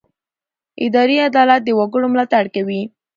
اداري عدالت د وګړو ملاتړ کوي.